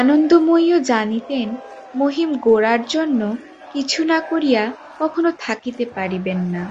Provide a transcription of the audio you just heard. আনন্দময়ীও জানিতেন, মহিম গোরার জন্য কিছু না করিয়া কখনো থাকিতে পারিবেন না।